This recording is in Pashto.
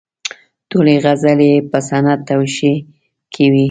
ټولې غزلې یې په صنعت توشیح کې وې.